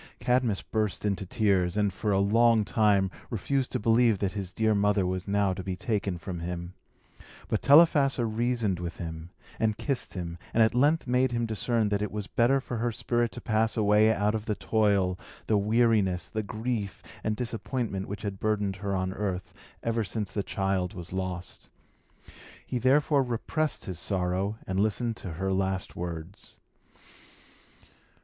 Cadmus burst into tears, and, for a long time, refused to believe that his dear mother was now to be taken from him. But Telephassa reasoned with him, and kissed him, and at length made him discern that it was better for her spirit to pass away out of the toil, the weariness, the grief, and disappointment which had burdened her on earth, ever since the child was lost. He therefore repressed his sorrow, and listened to her last words.